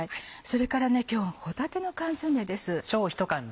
それから今日は帆立の缶詰です。